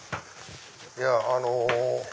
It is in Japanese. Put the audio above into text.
いやあの。